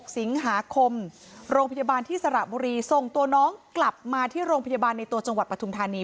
สิงหาคมโรงพยาบาลที่สระบุรีส่งตัวน้องกลับมาที่โรงพยาบาลในตัวจังหวัดปทุมธานี